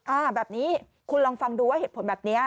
อ่าแบบนี้คุณลองฟังดูว่าเหตุผลแบบนี้